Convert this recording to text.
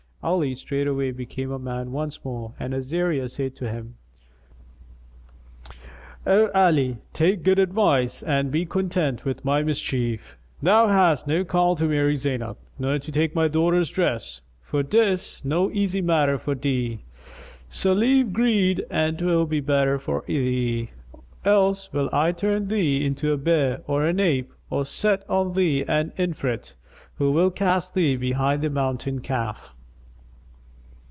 Ali straightway became a man once more and Azariah said to him, "O Ali, take good advice and be content with my mischief. Thou hast no call to marry Zaynab nor to take my daughter's dress, for 'tis no easy matter for thee: so leave greed and 'twill be better for thee; else will I turn thee into a bear or an ape or set on thee an Ifrit, who will cast thee behind the Mountain Kaf."